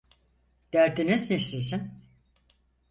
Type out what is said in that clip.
Derdiniz ne sizin?